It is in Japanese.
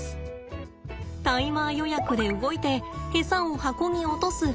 タイマー予約で動いてエサを箱に落とす。